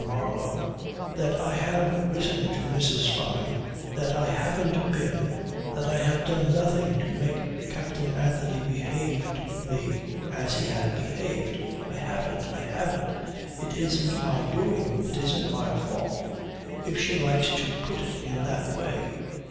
Marlow, that I have written to Mrs. Fyne that I haven't been that I have done nothing to make Captain Anthony behave to me as he had behaved. I haven't. I haven't. It isn't my doing. It isn't my fault if she likes to put it in that way.